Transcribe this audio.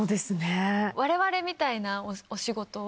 我々みたいなお仕事は。